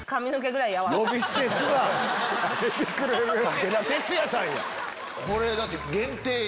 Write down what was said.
「武田鉄矢さん」や。